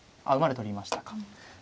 あっ馬で取りましたか。